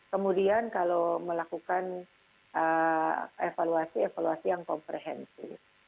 kemudian kalau melakukan evaluasi evaluasi yang komprehensif